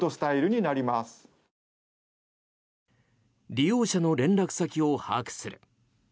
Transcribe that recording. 利用者の連絡先を把握する。